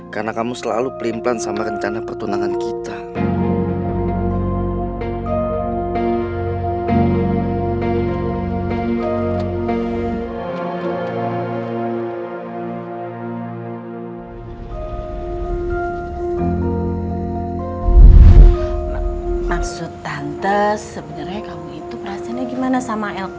karena kamu selalu pelimplan sama rencana pertunangan kita